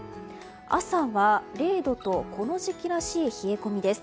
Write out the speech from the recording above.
朝は０度とこの時期らしい冷え込みです。